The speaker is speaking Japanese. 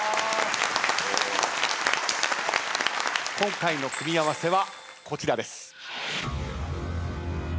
今回の組み合わせはこちらです。